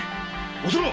おその！